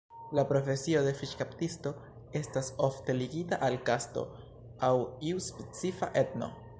La profesio de fiŝkaptisto estas ofte ligita al kasto aŭ iu specifa etno.